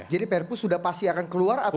jadi prpu sudah pasti akan keluar atau belum